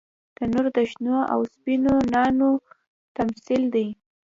تنور د شنو او سپینو نانو تمثیل دی